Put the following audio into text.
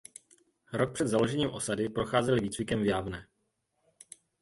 Rok před založením osady procházeli výcvikem v Javne.